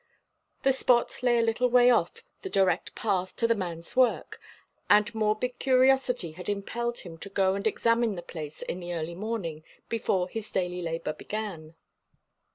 The spot lay a little way off the direct path to the man's work, and morbid curiosity had impelled him to go and examine the place in the early morning, before his daily labour began.